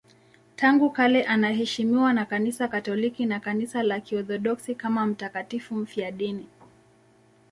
Tangu kale anaheshimiwa na Kanisa Katoliki na Kanisa la Kiorthodoksi kama mtakatifu mfiadini.